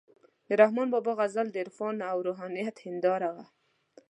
د رحمان بابا غزل د عرفان او روحانیت هنداره وه،